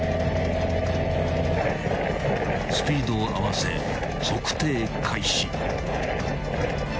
［スピードを合わせ測定開始］